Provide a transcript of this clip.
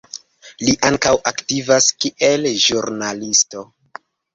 Li ankaŭ aktivas kiel ĵurnalisto.